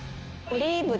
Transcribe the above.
オリーブ。